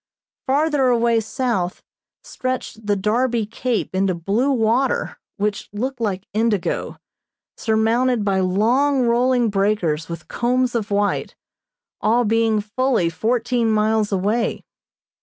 Farther away south stretched the Darby Cape into blue water which looked like indigo, surmounted by long rolling breakers with combs of white, all being fully fourteen miles away.